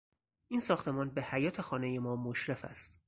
این ساختمان به حیاط خانه ما مشرف است